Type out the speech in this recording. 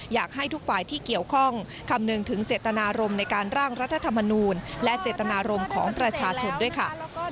อยากให้ทุกฝ่ายที่เกี่ยวข้องคำนึงถึงเจตนารมณ์ในการร่างรัฐธรรมนูลและเจตนารมณ์ของประชาชนด้วยค่ะ